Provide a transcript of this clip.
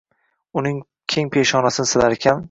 Uning keng peshonasini silarkan.